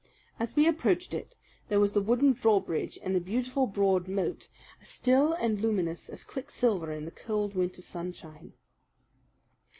As we approached it, there was the wooden drawbridge and the beautiful broad moat as still and luminous as quicksilver in the cold, winter sunshine.